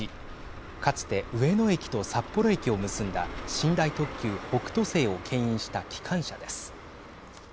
かつて上野駅と札幌駅を結んだ寝台特急北斗星をけん引した機関車です。